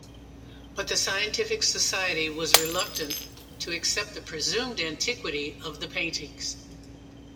But the scientific society was reluctant to accept the presumed antiquity of the paintings.